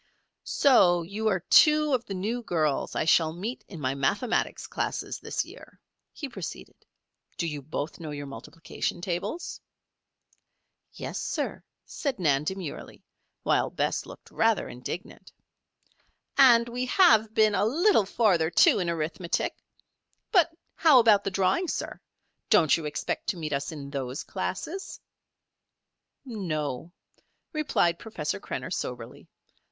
"So you are two of the new girls I shall meet in my mathematics classes this year," he proceeded. "Do you both know your multiplication tables?" "Yes, sir," said Nan demurely, while Bess looked rather indignant. "And we have been a little farther, too, in arithmetic. But how about the drawing, sir? Don't you expect to meet us in those classes?" "No," replied Professor Krenner, soberly.